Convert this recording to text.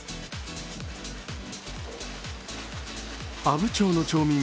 阿武町の町民